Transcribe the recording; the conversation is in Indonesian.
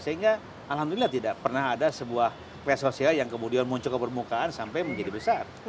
sehingga alhamdulillah tidak pernah ada sebuah pes sosial yang kemudian muncul ke permukaan sampai menjadi besar